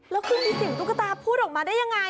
แล้วคือมีเสียงตุ๊กตาพูดออกมาได้ยังไง